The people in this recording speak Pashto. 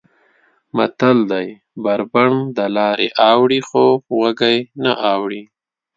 متل دی: بر بنډ دلارې اوړي خو وږی نه اوړي.